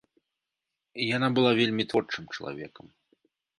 Яна была вельмі творчым чалавекам.